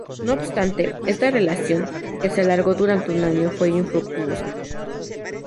No obstante, esta relación, que se alargó durante un año, fue infructuosa.